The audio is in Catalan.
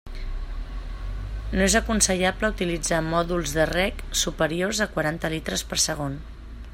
No és aconsellable utilitzar mòduls de reg superiors a quaranta litres per segon.